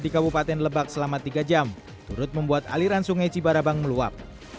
di kabupaten lebak selama tiga jam turut membuat aliran sungai cibarabang meluap